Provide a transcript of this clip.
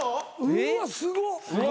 うわすごっ！